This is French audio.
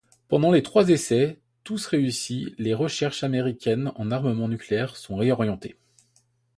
Pendant les trois essais, tous réussis, les recherches américaines en armement nucléaire sont réorientées.